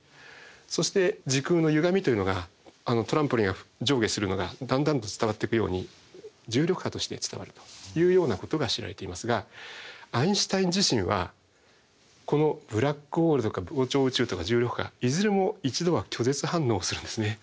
そして時空のゆがみというのがトランポリンが上下するのがだんだんと伝わっていくように重力波として伝わるというようなことが知られていますがアインシュタイン自身はこのブラックホールとか膨張宇宙とか重力波いずれも一度は拒絶反応をするんですね。